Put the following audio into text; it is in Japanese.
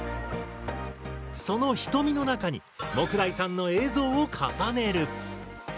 その瞳の中に杢代さんの映像を重ねる。